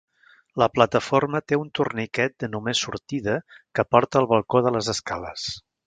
La plataforma té un torniquet de només sortida que porta al balcó de les escales.